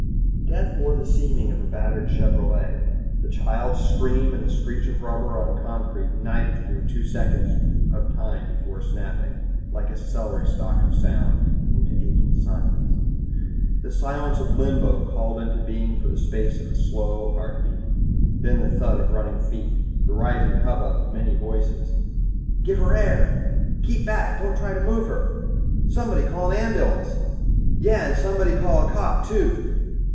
_ Death wore the seeming of a battered Chevrolet. The child's scream and the screech of rubber on concrete knifed through two seconds of time before snapping, like a celery stalk of sound, into aching silence. The silence of limbo, called into being for the space of a slow heartbeat. Then the thud of running feet, the rising hubbub of many voices. "Give her air!" "Keep back. Don't try to move her." "Somebody call an ambulance." "Yeah, and somebody call a cop, too."